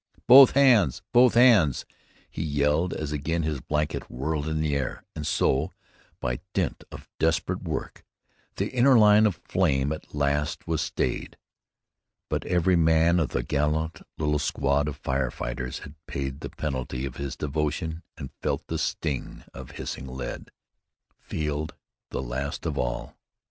"Both hands! Both hands!" he yelled as again his blanket whirled in air; and so, by dint of desperate work, the inner line of flame at last was stayed, but every man of the gallant little squad of fire fighters had paid the penalty of his devotion and felt the sting of hissing lead Field the last of all.